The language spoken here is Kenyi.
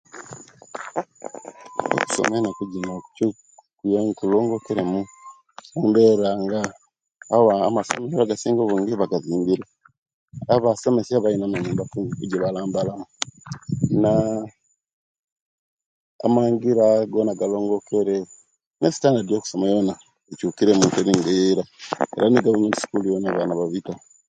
Okusoma enaku jino kulongokeremu nga amasomero agasinga bagazimbire nabasomesiya balina amanyumba egibalambalamu na mangira gona galongokere ne standard yokusoma yona ecukire mu Teri nga eyeira era negavment sukul yona abaana babita